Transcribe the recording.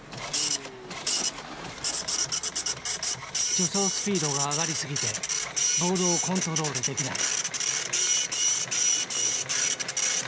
助走スピードが上がりすぎてボードをコントロールできない。